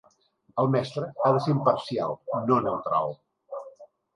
El mestre ha de ser imparcial, no neutral